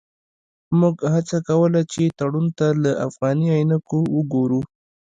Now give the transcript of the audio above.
موږ هڅه کوله چې تړون ته له افغاني عینکو وګورو.